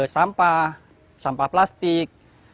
sampah sampah plastik